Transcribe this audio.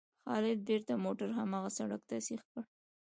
خالد بېرته موټر هماغه سړک ته سیخ کړ.